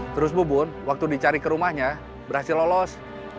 terus bubun waktu dicari ke rumahnya berhasil lolos